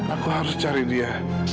aku harus cari dia